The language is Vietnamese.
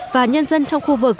và nhân dân trong khu vực